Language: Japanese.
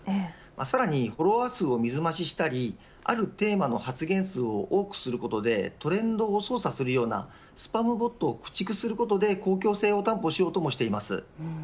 さらにフォロワー数を水増ししたりあるテーマの発言数を多くすることでトレンドを操作するようなスパムボットを駆逐することで公共性を担保しようとしています。